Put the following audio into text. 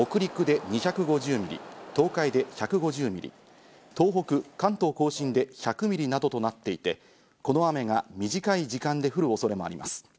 明日昼までに予想される雨の量は北陸で２５０ミリ、東海で１５０ミリ、東北、関東甲信で１００ミリなどとなっていて、この雨が短い時間で降る恐れもあります。